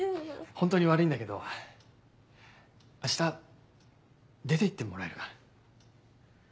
本当に悪いんだけど明日出て行ってもらえるかな？